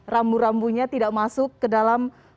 rambu rambunya tidak masuk ke dalam